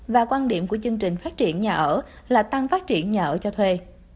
và quan điểm của chương trình phát triển nhà ở là tăng phát triển nhà ở cho thuê